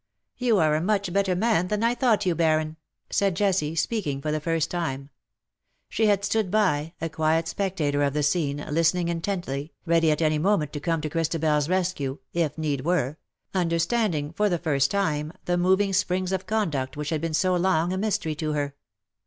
^^'* You are a much better man than I thought you. Baron/'' said Jessie, speaking for the first time. She had stood by, a quiet spectator of the scene, listening intently, ready at any moment to come to ChristabeFs rescue, if need were — understanding, for the first time, the moving springs of conduct which had been so long a mystery to her.